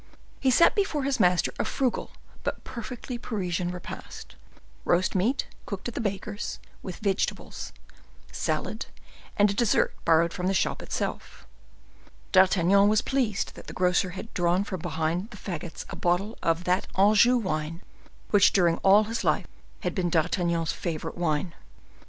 He set before his master a frugal, but perfectly Parisian repast: roast meat, cooked at the baker's, with vegetables, salad, and a dessert borrowed from the shop itself. D'Artagnan was pleased that the grocer had drawn from behind the fagots a bottle of that Anjou wine which during all his life had been D'Artagnan's favorite wine.